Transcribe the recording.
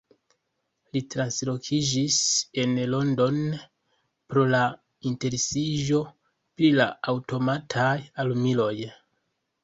Li translokiĝis en Londonon, pro la interesiĝo pri la aŭtomataj armiloj.